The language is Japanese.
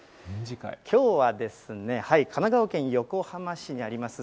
きょうは、神奈川県横浜市にあります